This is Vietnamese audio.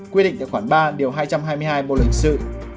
quyết định đã khoảng ba điều hai trăm hai mươi hai bộ lợi hình sự